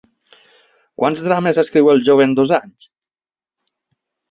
Quants drames escriu el jove en dos anys?